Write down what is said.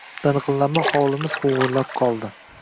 Dangʻillama hovlimiz huvillab qoldi.